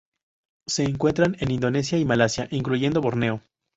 Se encuentran en Indonesia y Malasia, incluyendo Borneo.